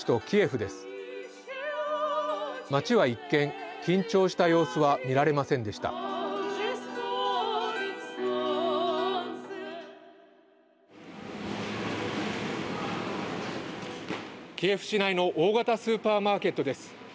キエフ市内の大型スーパーマーケットです。